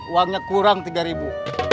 uangnya kurang tiga ribu